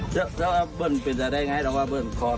แล้วเบิ้ลเป็นใจได้ไงขอเขาเป็นขัด